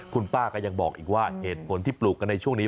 คุณป้าก็ยังบอกอีกว่าเหตุผลที่ปลูกกันในช่วงนี้